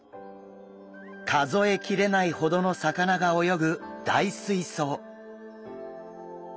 数えきれないほどの魚が泳ぐ大水槽。